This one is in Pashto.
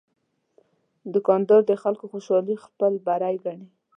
دوکاندار د خلکو خوشالي خپل بری ګڼي.